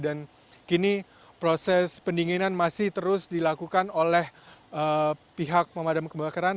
dan kini proses pendinginan masih terus dilakukan oleh pihak pemadam kebakaran